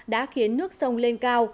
đã khiến nước sông lên cao